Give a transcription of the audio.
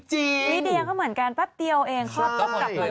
นิดเดียวก็เหมือนกันปั๊บเดียวเองคลอดก็กลับเลย